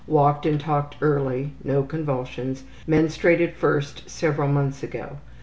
Walked and talked early. No convulsions. Menstruated first several months ago.